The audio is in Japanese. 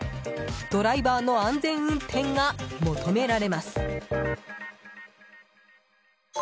ドライバーの安全運転が求められます。